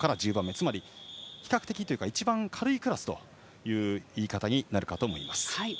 つまり一番軽いクラスという言い方になるかと思います。